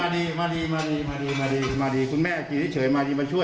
นี่มาดีคุณแม่กินเฉยมาดีมาช่วย